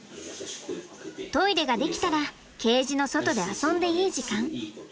トイレができたらケージの外で遊んでいい時間。